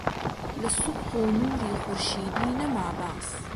لە سوبح و نووری خورشیدی نەما باس